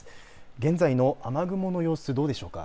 現在の雨雲の様子どうでしょうか。